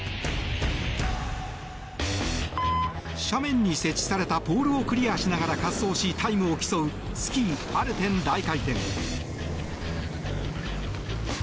斜面に設置されたポールをクリアしながら滑走しタイムを競うスキー・アルペン大回転。